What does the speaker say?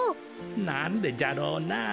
なんでじゃろうな。